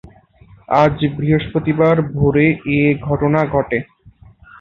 আজ বৃহস্পতিবার ভোরে এ ঘটনা ঘটে।